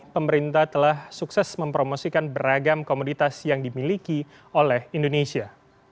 pemerintah telah sukses mempromosikan beragam komoditas yang dimiliki oleh indonesia